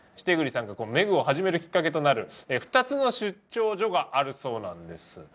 為栗さんがめぐを始めるきっかけとなる２つの出張所があるそうなんです。